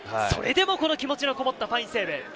それでもこの気持ちのこもったファインセーブ。